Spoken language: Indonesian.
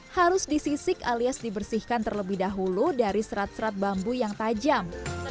harus disisik alias dibersihkan terlebih dahulu dari serat serat bambu yang tajam